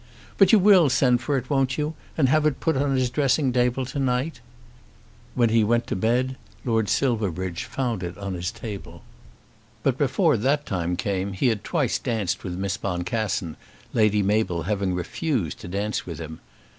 "But you will send for it, won't you, and have it put on his dressing table to night?" When he went to bed Lord Silverbridge found it on his table. But before that time came he had twice danced with Miss Boncassen, Lady Mabel having refused to dance with him.